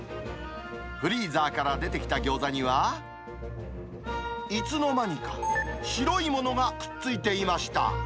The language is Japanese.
フリーザーから出てきたギョーザには、いつの間にか、白いものがくっついていました。